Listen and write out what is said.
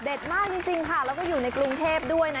มากจริงค่ะแล้วก็อยู่ในกรุงเทพด้วยนะ